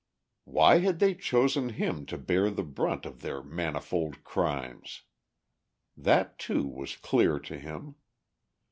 Why had they chosen him to bear the brunt of their manifold crimes? That, too, was clear to him.